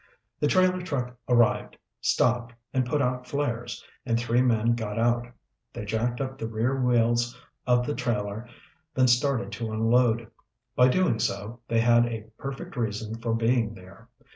The trailer truck arrived, stopped, and put out flares, and three men got out. They jacked up the rear wheels of the trailer, then started to unload. By so doing, they had a perfect reason for being there.